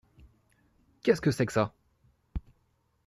Qu’est-ce que c’est que ça !